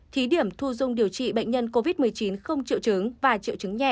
thí điểm thu dung điều trị bệnh nhân covid một mươi chín không triệu chứng và triệu chứng nhẹ